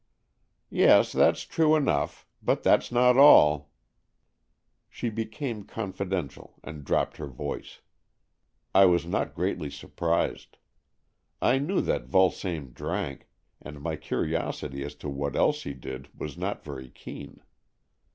"Yes. That's true enough. But that's not all." She became confidential and dropped her AN EXCHANGE OF SOULS 83 voice. I was not greatly surprised. I knew that Vulsame drank, and my curiosity as to what else he did was not very keen.